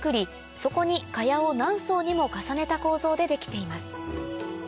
そこに茅を何層にも重ねた構造で出来ています